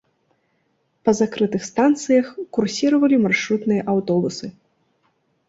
Па закрытых станцыях курсіравалі маршрутныя аўтобусы.